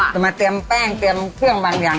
จะมาเตรียมแป้งเตรียมเครื่องบางอย่าง